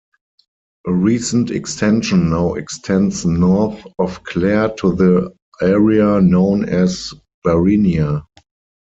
A recent extension now extends north of Clare to the area known as Barinia.